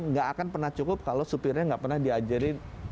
tidak akan pernah cukup kalau supirnya tidak pernah diajarin